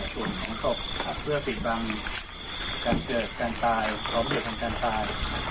ส่วนของศพครับซื้อเป็นการเกิดการตายพระธุรกรภัยบระทานคันตาย